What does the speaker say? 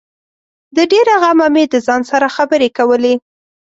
د ډېره غمه مې د ځان سره خبري کولې